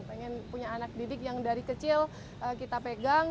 pengen punya anak didik yang dari kecil kita pegang